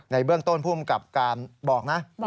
ในเบื้องต้นภูมิกับการบอกนะ